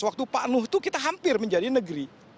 waktu pak nuh itu kita hampir menjadi negeri